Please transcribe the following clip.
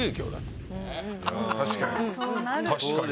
確かに。